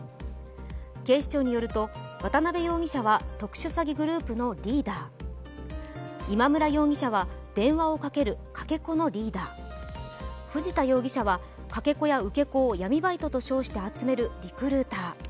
警視庁によると、渡辺容疑者は特殊詐欺グループのリーダー、今村容疑者は電話をかけるかけ子のリーダー、藤田容疑者はかけ子や受け子を闇バイトと称して集めるリクルーター。